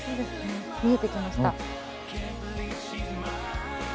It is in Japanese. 見えてきました。